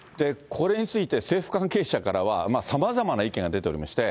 これについて政府関係者からは、さまざまな意見が出ておりまして。